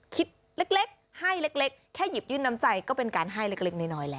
คิดเล็กให้เล็กแค่หยิบยื่นน้ำใจก็เป็นการให้เล็กน้อยแล้ว